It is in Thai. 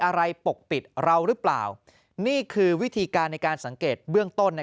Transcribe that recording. ปกปิดเราหรือเปล่านี่คือวิธีการในการสังเกตเบื้องต้น